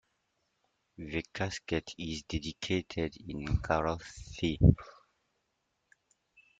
The casket is dedicated in Kharoshthi.